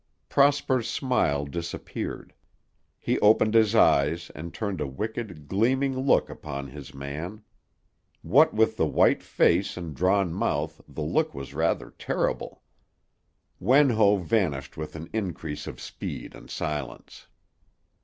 Prosper's smile disappeared; he opened his eyes and turned a wicked, gleaming look upon his man. What with the white face and drawn mouth the look was rather terrible. Wen Ho vanished with an increase of speed and silence.